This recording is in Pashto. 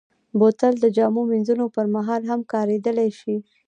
بوتل د جامو مینځلو پر مهال هم کارېدلی شي.